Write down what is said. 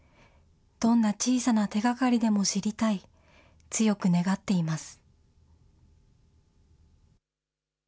どんな小さな手がかりでも知りたい、強く願っています。